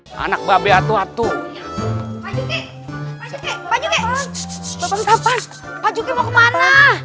hai anak babi atuh atuh